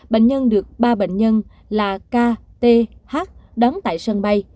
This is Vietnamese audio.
bệnh nhân được ba bệnh nhân là k t h đón tại sân bay